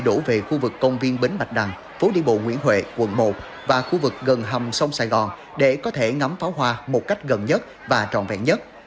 đổ về khu vực công viên bến bạch đằng phố đi bộ nguyễn huệ quận một và khu vực gần hầm sông sài gòn để có thể ngắm pháo hoa một cách gần nhất và trọn vẹn nhất